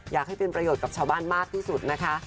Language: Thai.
อยากให้เป็นประโยชน์กับชาวบ้านมากที่สุดนะคะ